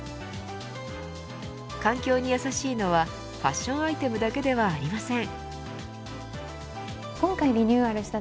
環境にやさしいのはファッションアイテムだけではありません。